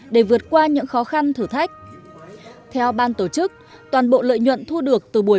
để vượt qua những khó khăn thử thách theo ban tổ chức toàn bộ lợi nhuận thu được từ buổi